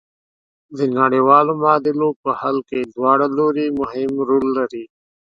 د نړیوالو معادلو په حل کې دواړه لوري مهم رول لري.